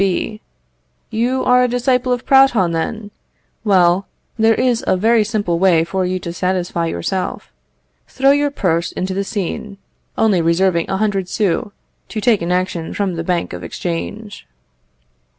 B. You are a disciple of Proudhon, then? Well, there is a very simple way for you to satisfy yourself. Throw your purse into the Seine, only reserving a hundred sous, to take an action from the Bank of Exchange.